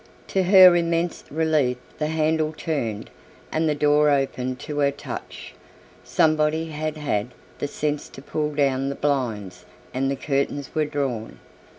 To her immense relief the handle turned and the door opened to her touch. Somebody had had the sense to pull down the blinds and the curtains were drawn.